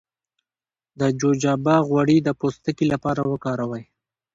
د جوجوبا غوړي د پوستکي لپاره وکاروئ